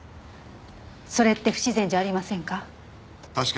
それって不自然じゃありませんか？